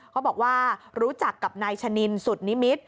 เขาบอกว่ารู้จักกับนายชะนินสุดนิมิตร